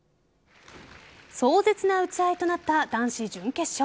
壮絶な打ち合いとなった男子準決勝。